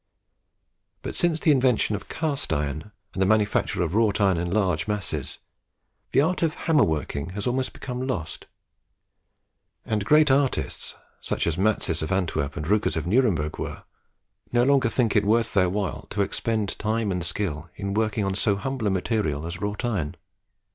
But since the invention of cast iron, and the manufacture of wrought iron in large masses, the art of hammer working has almost become lost; and great artists, such as Matsys of Antwerp and Rukers of Nuremberg were, no longer think it worth their while to expend time and skill in working on so humble a material as wrought iron.